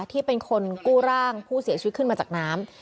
ที่เป็นคนกู้ร่างผู้เสียชีวิตขึ้นมาจากน้ำ